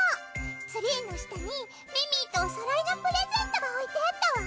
ツリーの下にミミィとおそろいのプレゼントが置いてあったわ。